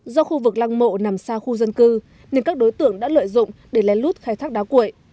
do khu vực lăng mộ nằm xa khu dân cư nên các đối tượng đã lợi dụng để lén lút khai thác đá quậy